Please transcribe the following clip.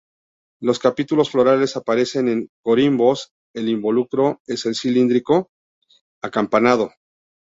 Los capítulos florales aparecen en corimbos, el involucro es cilíndrico acampanado.